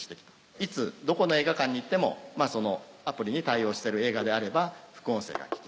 いつどこの映画館に行ってもアプリに対応してる映画であれば副音声が聞ける。